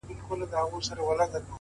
خاموشه هڅه لویې پایلې زېږوي’